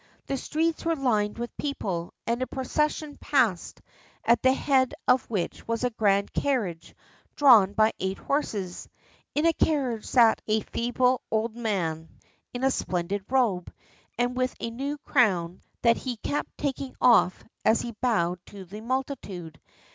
The streets were lined with people, and a procession passed, at the head of which was a grand carriage drawn by eight horses. In the carriage sat a feeble old man in a splendid robe, and with a new crown that he kept taking off as he bowed to the multitude.